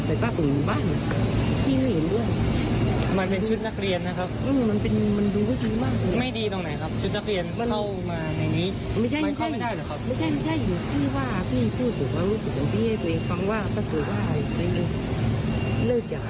วิทยายังใส่ได้เลย